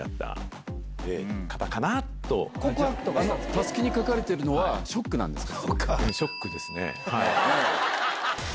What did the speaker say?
たすきに書かれてるのはショックなんですか？